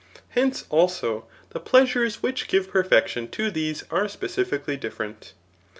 Hence, also, the pkasures which give perfcctkm to these are spedfically different.